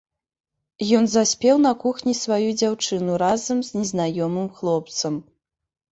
Ён заспеў на кухні сваю дзяўчыну разам з незнаёмым хлопцам.